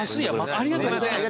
ありがとうございます。